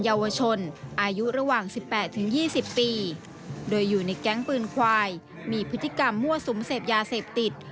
อยู่ในแก๊งปืนควายมีพฤติกรรมมั่วสุมเสพยาเสพติด